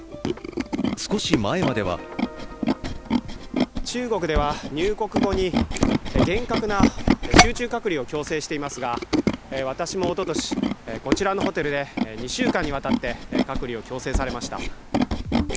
少し前までは中国では入国後に厳格な集中隔離を強制していますが、私もおととし、こちらのホテルで２週間にわたって隔離を強制されました。